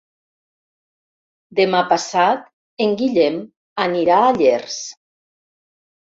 Demà passat en Guillem anirà a Llers.